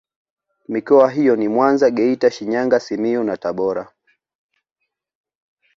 Mikoa hiyo ni Mwanza Geita Shinyanga Simiyu na Tabora